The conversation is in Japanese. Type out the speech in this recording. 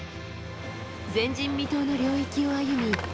前人未到の領域を歩み